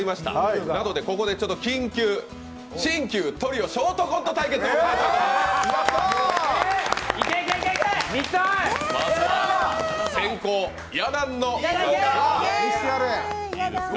なのでここで緊急、新旧トリオ、ショートコント対決を行いたいと思います。